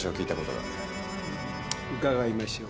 んー伺いましょう。